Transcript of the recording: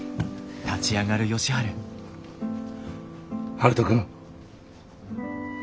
悠人君。